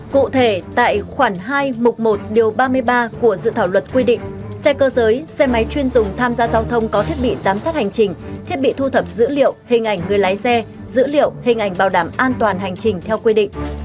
cụ thể tại khoản hai một điều ba mươi ba của dự thảo luật quy định xe cơ giới xe máy chuyên dùng tham gia giao thông có thiết bị giám sát hành trình thiết bị thu thập dữ liệu hình ảnh người lái xe dữ liệu hình ảnh bảo đảm an toàn hành trình theo quy định